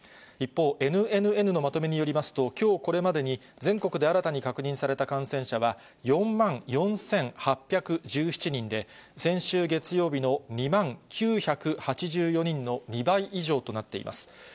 一方、ＮＮＮのまとめによりますと、きょうこれまでに、全国で新たに確認された感染者は、４万４８１７人で、先週月曜日の２万９８４人の２倍以上となっています。